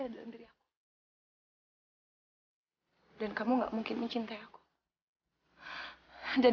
pokoknya kamu harus datang di sana jam dua